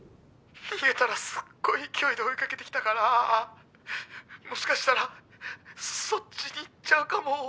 逃げたらすっごい勢いで追いかけてきたからもしかしたらそっちに行っちゃうかも。